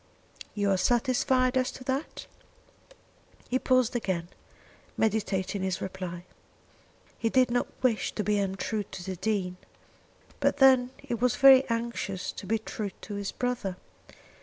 "You are satisfied as to that?" He paused again, meditating his reply. He did not wish to be untrue to the Dean, but then he was very anxious to be true to his brother.